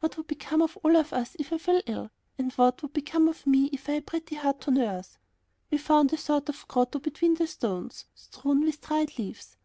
What would become of us all if I fell ill, and what would become of me if I had Pretty Heart to nurse? We found a sort of grotto between the stones, strewn with dried leaves.